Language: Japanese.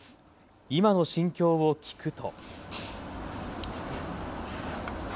今の心境を聞くと。